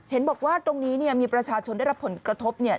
เห็นบอกว่าตรงนี้มีประชาชนได้รับผลกระทบ